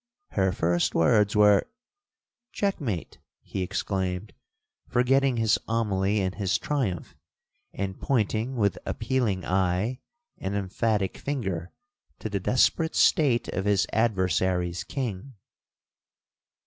Her first words were—Check mate!' he exclaimed, forgetting his homily in his triumph, and pointing, with appealing eye, and emphatic finger, to the desperate state of his adversary's king.